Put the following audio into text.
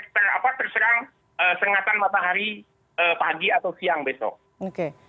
jemaah terserang seringatan matahari pagi atau siang besok